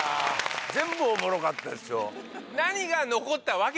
全部おもろかったですよ。